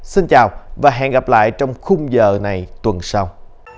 xin chào và hẹn gặp lại trong khung giờ này tuần sau